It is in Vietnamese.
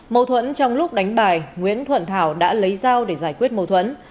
mâu thuẫn trong lúc đánh bài nguyễn thuận thảo đã lấy dao để giải quyết mâu thuẫn